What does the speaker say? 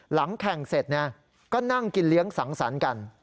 หลังแข่งเสร็จก็นั่งกินเลี้ยงสังสรรค์กัน